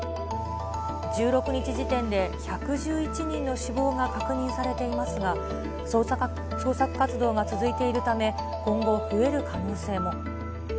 １６日時点で１１１人の死亡が確認されていますが、捜索活動が続いているため、今後、増える可能性も。